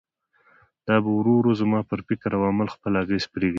دا به ورو ورو زما پر فکر او عمل خپل اغېز پرېږدي.